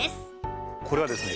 これはですね